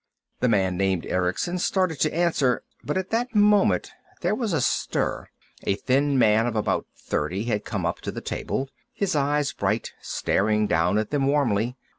The man named Erickson started to answer, but at that moment there was a stir. A thin man of about thirty had come up to the table, his eyes bright, staring down at them warmly.